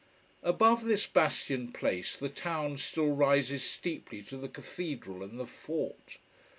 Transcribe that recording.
Above this bastion place the town still rises steeply to the Cathedral and the fort.